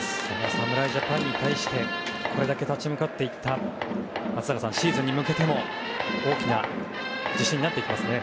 侍ジャパンに対してこれだけ立ち向かっていった松坂さん、シーズンに向けても大きな自信になっていきますね。